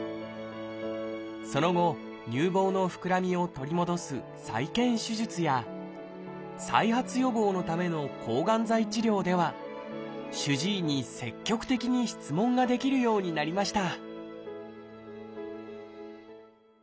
その後乳房の膨らみを取り戻す再建手術や再発予防のための抗がん剤治療では主治医に積極的に質問ができるようになりました